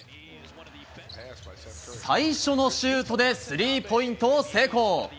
最初のシュートでスリーポイントを成功。